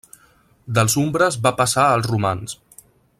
Dels umbres va passar als romans.